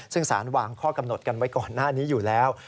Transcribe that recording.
ซึ่งสารวางข้อกำหนดกันไว้ก่อนหน้านี้อยู่แล้ว